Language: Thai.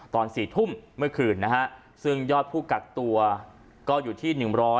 ตอน๔ทุ่มเมื่อคืนนะฮะซึ่งยอดผู้กักตัวก็อยู่ที่๑๐๐